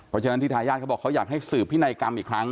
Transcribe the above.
เพราะฉะนั้นที่ทายาทเขาบอกเขาอยากให้สืบพินัยกรรมอีกครั้ง